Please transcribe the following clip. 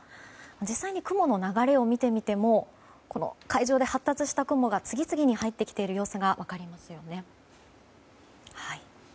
実際に雲の流れを見てみても海上で発達した雲が次々に入ってきている様子が分かりますよね。